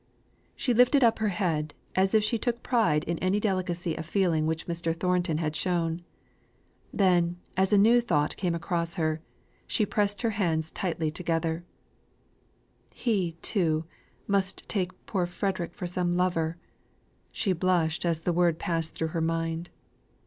She lifted up her head, as if she took pride in any delicacy of feeling which Mr. Thornton had shown. Then, as a new thought came across her, she pressed her hands tightly together: "He, too, must take poor Frederick for some lover." (She blushed as the word passed through her mind.)